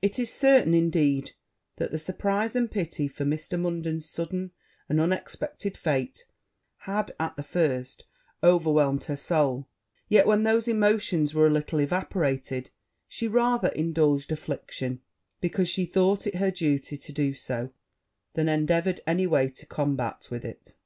It is certain, indeed, that the surprize and pity for Mr. Munden's sudden and unexpected fate had at the first overwhelmed her soul; yet, when those emotions were a little evaporated, she rather indulged affliction, because she thought it her duty to do so, than endeavoured any way to combat with it.